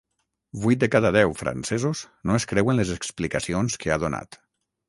Vuit de cada deu francesos no es creuen les explicacions que ha donat.